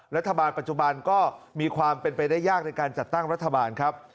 รัฐบาลปัจจุบันก็มีความเป็นไปได้ยากในการจัดตั้งรัฐบาลครับ